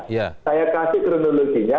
saya kasih kronologinya